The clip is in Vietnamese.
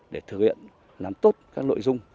để thực hiện làm tốt các nội dung